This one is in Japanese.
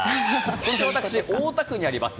そして私、大田区にあります